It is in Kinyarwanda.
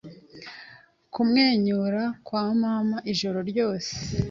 kumwenyura kwa mama Ijoro ryose